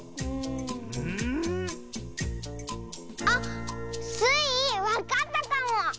あっスイわかったかも！